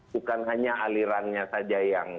bukan hanya alirannya saja yang